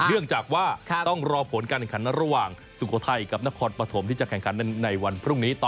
เนื่องจากว่าต้องรอผลการแข่งขันระหว่างสุโขทัยกับนครปฐมที่จะแข่งขันในวันพรุ่งนี้ต่อ